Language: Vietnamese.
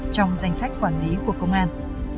trong danh sách quản lý của công an